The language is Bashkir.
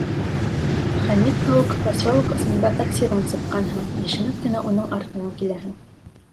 Хәмит кеүек, поселок осонда таксиҙан сыҡҡанһың, йәшенеп кенә уның артынан киләһең.